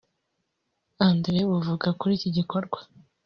André buvuga kuri iki gikorwa